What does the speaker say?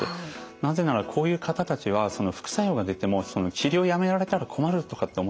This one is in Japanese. なぜならこういう方たちは副作用が出ても治療をやめられたら困るとかって思ってですね